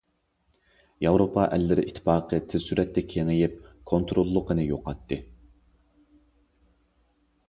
ياۋروپا ئەللىرى ئىتتىپاقى تىز سۈرئەتتە كېڭىيىپ كونتروللۇقىنى يوقاتتى.